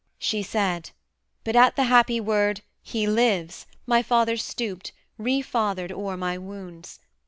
She said: but at the happy word 'he lives' My father stooped, re fathered o'er my wounds.